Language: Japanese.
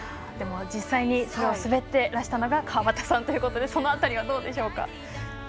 でも実際に滑っていらしたのが川端さんということでその辺りはどうでしょうか。